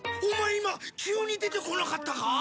今急に出てこなかったか！？